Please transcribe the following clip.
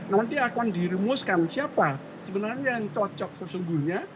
nanti akan diremuskan siapa sebenarnya yang cocok sesungguhnya